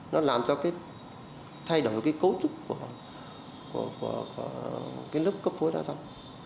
nó làm cho thay đổi cấu trúc của nước cấp vôi đá răm